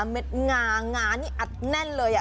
เม็ดงางานี่อัดแน่นเลย